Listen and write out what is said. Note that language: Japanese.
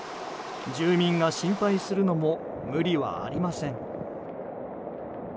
住民が心配するのも無理はありません。